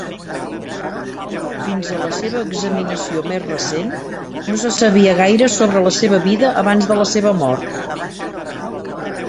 Fins a la seva examinació més recent, no se sabia gaire sobre la seva vida abans de la seva mort.